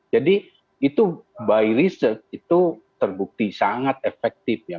jadi itu by research itu terbukti sangat efektif ya